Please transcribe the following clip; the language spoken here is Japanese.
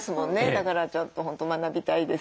だからちょっと本当学びたいです。